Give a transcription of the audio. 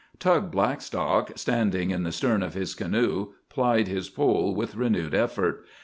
Tug Blackstock, standing in the stern of his canoe, plied his pole with renewed effort.